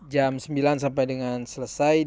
jam sembilan sampai dengan selesai